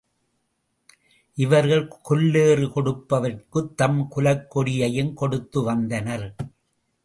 இவர்கள் கொல்லேறு கொடுப்பவர்க்குத் தம் குலக் கொடியையும் கொடுத்து வந்தனர்.